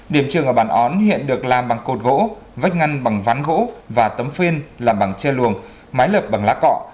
điểm trường ở bản ón hiện được làm bằng cột gỗ vách ngăn bằng ván gỗ và tấm phên làm bằng tre luồng máy lợp bằng lá cọ